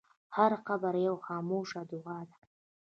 هر قبر یوه خاموشه دعا ده.